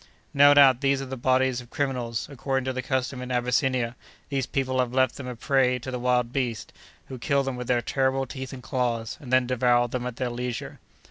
"No doubt, these are the bodies of criminals; according to the custom in Abyssinia, these people have left them a prey to the wild beasts, who kill them with their terrible teeth and claws, and then devour them at their leisure.